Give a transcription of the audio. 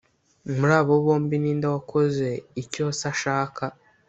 Muri abo bombi ni nde wakoze icyo se ashaka?”